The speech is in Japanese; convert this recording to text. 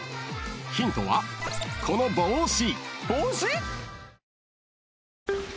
［ヒントはこの帽子］